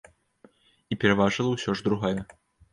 І пераважыла ўсё ж другая.